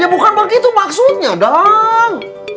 ya bukan begitu maksudnya dong